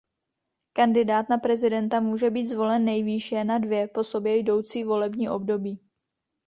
Kandidát na prezidenta může být zvolen nejvýše na dvě po sobě jdoucí volební období.